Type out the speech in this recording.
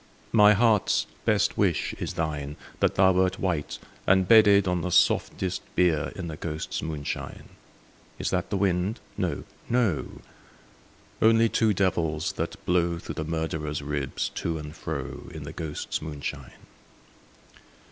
My heart's best wish is thine, — That thou wert white, and bedded On the softest bier. In the ghosts* moonshine. Is that the wind ? No, no ; Only two devils, that blow Through the murderer's ribs to and fro. In the ghosts' moonshine.